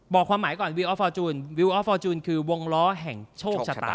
ความหมายก่อนวิวออฟฟอร์จูนวิวออฟฟอร์จูนคือวงล้อแห่งโชคชะตา